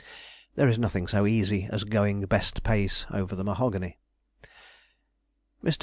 There is nothing so easy as going best pace over the mahogany. Mr.